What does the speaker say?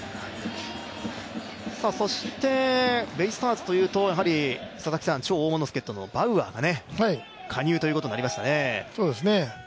そして、ベイスターズというと超大物助っとのバウアーが加入ということになりましたね。